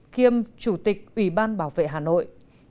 kiêm chủ tịch ủy ban bảo vệ hà nội